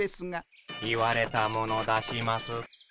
言われたもの出します。